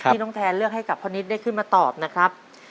น้องแทนเลือกให้กับพ่อนิดได้ขึ้นมาตอบนะครับ